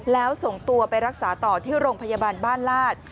แล้วส่งตัวไปรักษาต่อที่โรงพยาบาลบ้านลาด